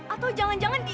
atau jangan jangan di